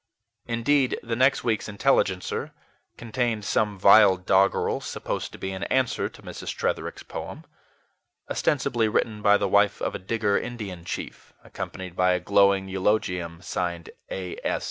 Indeed, the next week's INTELLIGENCER contained some vile doggerel supposed to be an answer to Mrs. Tretherick's poem, ostensibly written by the wife of a Digger Indian chief, accompanied by a glowing eulogium signed "A.